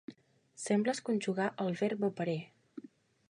Sembles conjugar el verb aparer.